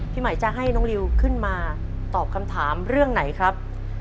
พี่หมายจะให้น้องริวขึ้นมาตอบคำถามเรื่องไหนครับ